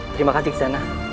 terima kasih xana